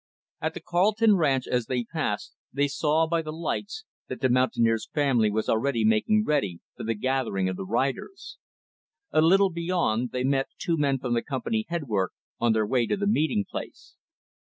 At the Carleton ranch, as they passed, they saw, by the lights, that the mountaineer's family were already making ready for the gathering of the riders. A little beyond, they met two men from the Company Head Work, on their way to the meeting place.